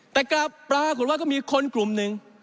แต่กลับปรากฏว่าก็มีคนกลุ่มหนึ่ง